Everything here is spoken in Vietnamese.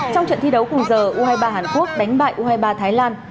trong trận thi đấu cùng giờ u hai mươi ba hàn quốc đánh bại u hai mươi ba thái lan